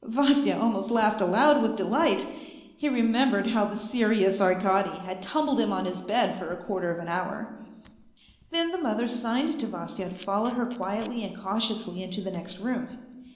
Vasya almost laughed aloud with delight. He remembered how the serious Arkady had tumbled him on his bed for a quarter of an hour. Then the mother signed to Vasya to follow her quietly and cautiously into the next room.